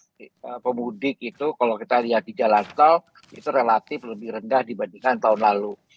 pemudik itu kalau kita lihat di jalan tol itu relatif lebih rendah dibandingkan tahun lalu